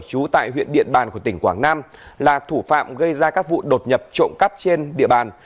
chú tại huyện điện bàn của tỉnh quảng nam là thủ phạm gây ra các vụ đột nhập trộm cắp trên địa bàn